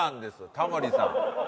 タモリさん。